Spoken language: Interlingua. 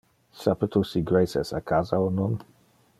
Sape tu si Grace es a casa o non?